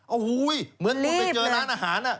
โอ้โหเหมือนคุณไปเจอร้านอาหาร